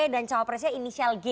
dan capresnya inisial g